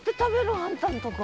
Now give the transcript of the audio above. あんたんとこ。